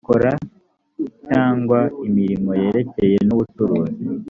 ikora cyangwa imirimo yerekeye n’ubucuruzi